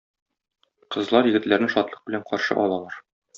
Кызлар егетләрне шатлык белән каршы алалар.